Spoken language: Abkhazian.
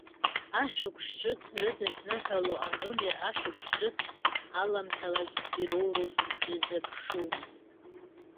Ашықәс ҿыц рыдызныҳәало аномер ашықәс ҿыц аламҭалаз ироуроуп иазыԥшу.